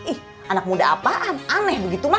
eh anak muda apaan aneh begitu ma